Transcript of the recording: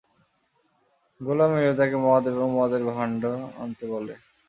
গোলাম এলে তাকে মদ এবং মদের ভাণ্ড আনতে বলে।